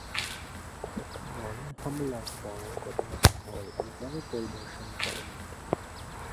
কারণ হামলার পর ঘটনাস্থল একবারও পরিদর্শন করেননি তিনি।